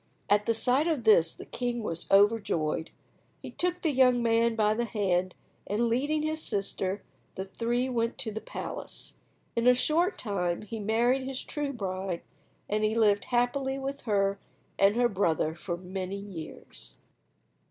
At the sight of this the king was overjoyed. He took the young man by the hand, and, leading his sister, the three went to the palace. In a short time he married his true bride, and he lived happily with her and her brother for many years.